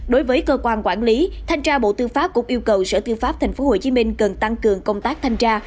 đối với cơ quan quản lý thanh tra bộ tư pháp cũng yêu cầu sở tư pháp tp hcm cần tăng cường công tác thanh tra